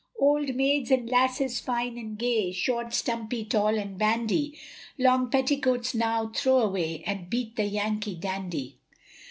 Old maids and lasses fine and gay, Short, stumpy, tall and bandy, Long petticoats now throw away, And beat the yanky dandy.